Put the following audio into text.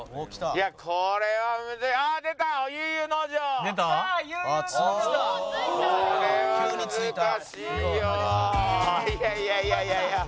いやいやいやいや。